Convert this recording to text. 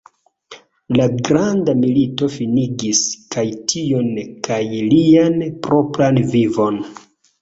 La Granda Milito finigis kaj tion kaj lian propran vivon.